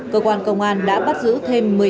cơ quan công an đã bắt giữ thêm